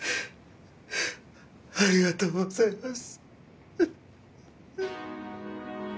ありがとうございます。